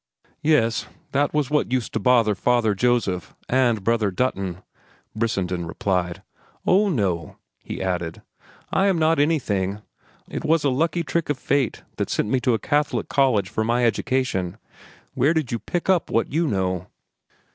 "Yes, that was what used to bother Father Joseph, and Brother Dutton," Brissenden replied. "Oh, no," he added; "I am not anything. It was a lucky trick of fate that sent me to a Catholic college for my education. Where did you pick up what you know?"